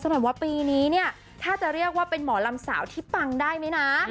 ถามว่าปีนี้เนี่ยถ้าจะเรียกว่าเป็นหมอลำสาวที่ปังได้ไหมนะ